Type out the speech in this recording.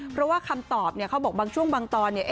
เพราะว่าคำตอบเนี่ยเขาบอกบางช่วงบางตอนเนี่ย